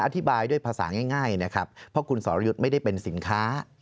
อธิบายด้วยภาษาง่ายนะครับเพราะคุณสรยุทธ์ไม่ได้เป็นสินค้า